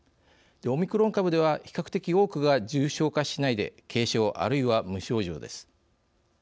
オミクロン株では比較的多くが重症化しないで軽症、あるいは無症状です。